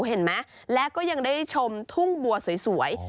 เห็นไหมและก็ยังได้ชมทุ่งบัวสวย